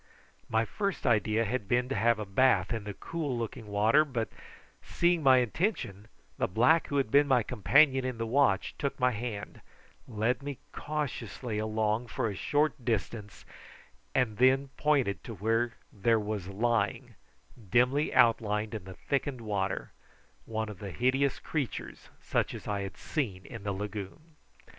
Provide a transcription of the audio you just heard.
My first idea had been to have a bathe in the cool looking water, but, seeing my intention, the black who had been my companion in the watch, took my hand, led me cautiously along for a short distance, and then pointed to where there was lying, dimly outlined in the thickened water, one of the hideous creatures such as I had seen in the lagoon.